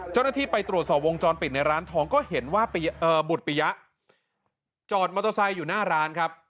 เจ้าหน้าที่ไปตรวจสอบวงจรปิดในร้านทองก็เห็นว่าบุตปิยะจอดมอเตอร์ไซค์อยู่หน้าร้านครับ